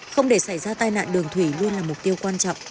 không để xảy ra tai nạn đường thủy luôn là mục tiêu quan trọng